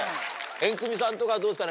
エンクミさんとかどうですか？